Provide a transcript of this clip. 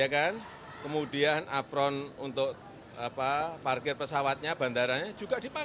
kemudian afron untuk parkir pesawatnya bandaranya juga dipakai